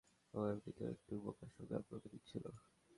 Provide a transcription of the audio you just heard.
ও এমনিতেও একটু বোকাসোকা প্রকৃতির ছিল!